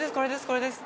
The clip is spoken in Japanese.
これです